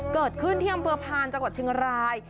เกิดขึ้นที่อำเภอพานจังหวัดเชียงราย